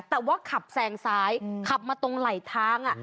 แต่ว่าขับแซงซ้ายขับมาตรงไหลทาง